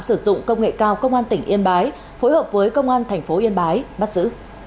sử dụng công nghệ cao công an tỉnh yên bái phối hợp với công an thành phố yên bái bắt giữ